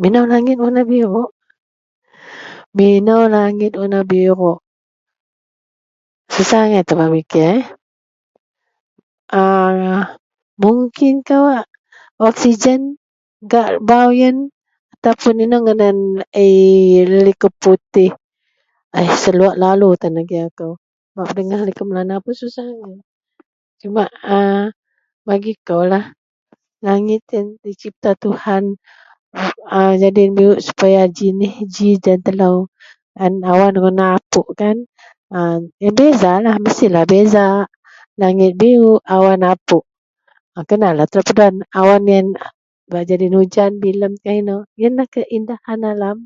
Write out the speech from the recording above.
minou langit warna biruk ahh, minou langit warna biruk susah agai tan bak memikir eh, a mungkin kawak oxsigen gak baaw ien ataupun inou ngadan laie likou putih, ai seluk lalu tan agei akou, bak pedegah liko Melanau pun susai agai cuma a bagi koulah langit ien dicipta Tuhan a nyadin biruk supaya jiniih ji den telou, an awan warna apukkan a beza mestilah beza langit biruk awan apuk, kenalah telou penden awan ien bak jadi ujan bilemkah inou ienlah keindahan alam